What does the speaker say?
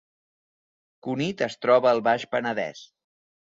Cunit es troba al Baix Penedès